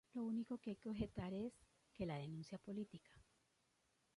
Lo único que hay que objetar es, que la denuncia política.